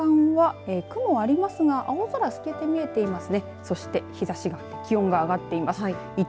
この時間は、雲はありますが青空すけて見えています。